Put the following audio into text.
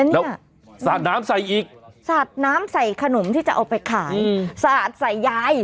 แล้วสาดน้ำใส่อีกสาดน้ำใส่ขนมที่จะเอาไปขายสาดใส่ยาย